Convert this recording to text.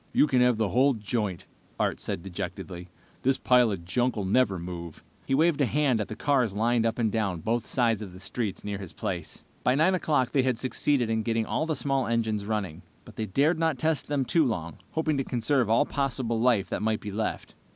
"You can have the whole joint," Art said dejectedly. "This pile of junk will never move!" He waved a hand at the cars lined up and down both sides of the streets near his place. By 9 o'clock they had succeeded in getting all of the small engines running, but they dared not test them too long, hoping to conserve all possible life that might be left.